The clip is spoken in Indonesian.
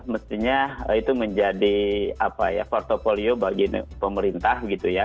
mestinya itu menjadi portfolio bagi pemerintah gitu ya